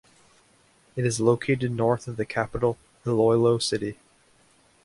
It is located north of the capital Iloilo City.